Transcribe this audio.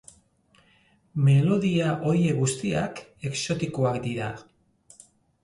Melodia horiek guztiak exotikoak dira.